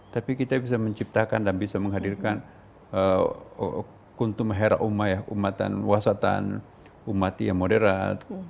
tapi kita bisa menciptakan dan bisa menghadirkan kuntum hera umayah umatan wasatan umati yang moderat